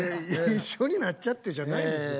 一緒になっちゃってじゃないですよ。